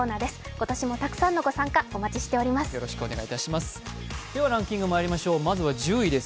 今年もたくさんのご参加をお待ちしております。